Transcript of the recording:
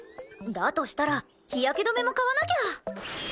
だとしたら日焼け止めも買わなきゃ。